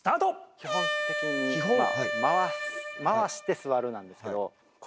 基本的には回して座るなんですけど。